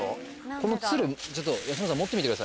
このツル安村さん持ってみてください。